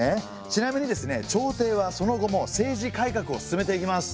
ちなみにですね朝廷はその後も政治改革を進めていきます。